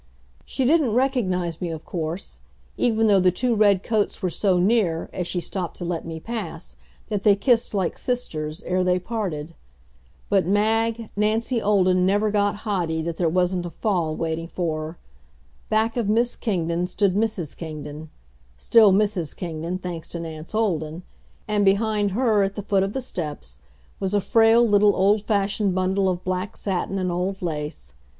She didn't recognize me, of course, even though the two red coats were so near, as she stopped to let me pass, that they kissed like sisters, ere they parted. But, Mag, Nancy Olden never got haughty that there wasn't a fall waiting for her. Back of Miss Kingdon stood Mrs. Kingdon still Mrs. Kingdon, thanks to Nance Olden and behind her, at the foot of the steps, was a frail little old fashioned bundle of black satin and old lace.